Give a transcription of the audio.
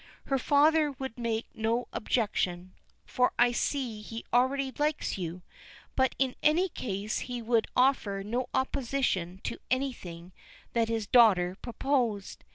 Her father would make no objection, for I see he already likes you; but in any case he would offer no opposition to anything that his daughter proposed.